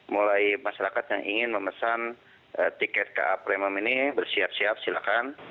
mulai masyarakat yang ingin memesan tiket ka premium ini bersiap siap silakan